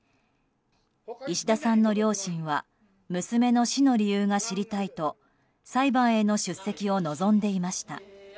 石田さんの両親は娘の死の理由が知りたいと裁判への出席を望んでいました。